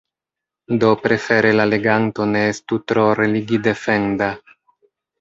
Do prefere la leganto ne estu tro religidefenda.